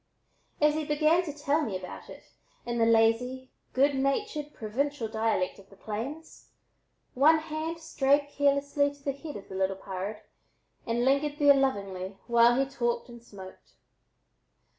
As he began to tell me about it in the lazy, good natured, provincial dialect of the plains, one hand strayed caressingly to the head of the "little pard" and lingered there lovingly while he talked and smoked.